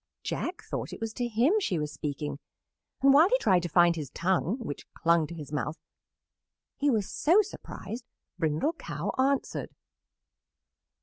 Jack thought it was to him she was speaking, and while he tried to find his tongue, which clung to his mouth, he was so surprised, Brindle Cow answered.